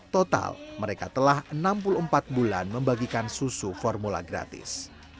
total mereka telah enam puluh empat bulan membagikan susu formula gratis